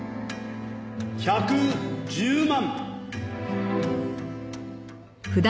１１０万。